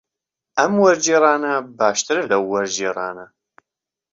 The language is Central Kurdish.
ئەم وەرگێڕانە باشترە لەو وەرگێڕانە.